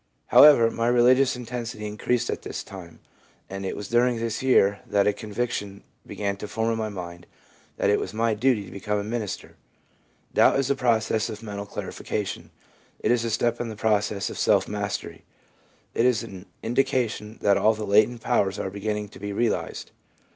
However, my religious intensity increased at this time, and it was during this year that a convic tion began to form in my mind that it was my duty to become a minister/ Doubt is a process of mental clarification ; it is a step in the process of self mastery ; it is an indication that all the latent powers are begin ning to be realised.